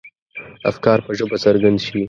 افکار په ژبه څرګند شي.